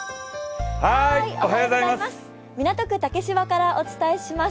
港区竹芝からお伝えします。